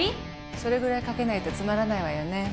それぐらい賭けないとつまらないわよね？